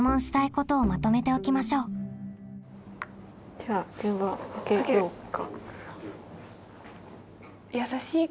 じゃあ電話かけようか。